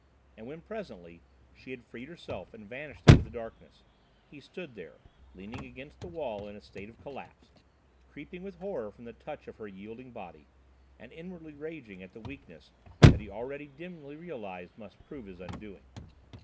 And when, presently, she had freed herself and vanished into the darkness, he stood there, leaning against the wall in a state of collapse, creeping with horror from the touch of her yielding body, and inwardly raging at the weakness that he already dimly realised must prove his undoing.